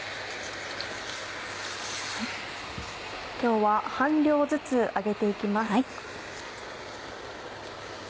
今日は半量ずつ揚げて行きます。